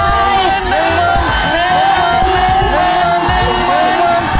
หนึ่งมันหนึ่งมันหนึ่งมัน